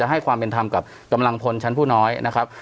ให้ความเป็นธรรมกับกำลังพลชั้นผู้น้อยนะครับ